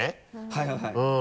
はいはい。